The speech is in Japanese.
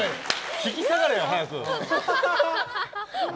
引き下がれよ、早く！